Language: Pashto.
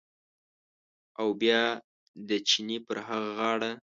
او بیا د چینې پر هغه غاړه